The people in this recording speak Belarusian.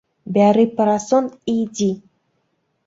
Бяры парасон і ідзі!